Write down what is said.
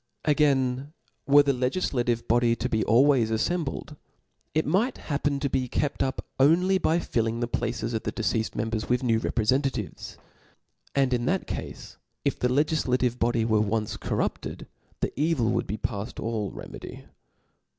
Again, were the legiflative body to be always affembled, it might happen to be kept up only by filling the places of the deceafed members with new reprefentatives ; and in that cafe if the legiflative body were once corrupted, the evil would be paft , all remedy.